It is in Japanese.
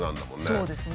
そうですね。